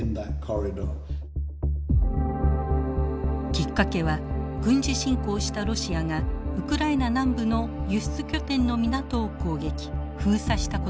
きっかけは軍事侵攻したロシアがウクライナ南部の輸出拠点の港を攻撃封鎖したことでした。